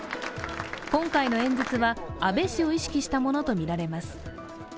今回の演説は、安倍氏を意識したものとみられます。